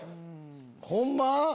ホンマ？